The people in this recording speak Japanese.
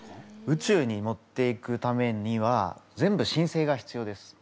宇宙に持っていくためには全部申請が必要です。